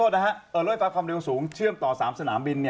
รถไฟฟ้าความเร็วสูงเชื่อมต่อ๓สนามบิน